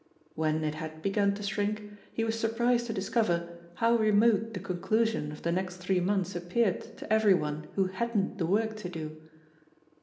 When it had begun to shrink, he was sur prised to discover how remote the conclusion of the next three months appeared to everyone who hadn't the work to do.